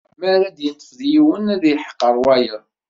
Mi ara ad iṭṭef deg yiwen, ad iḥqer wayeḍ.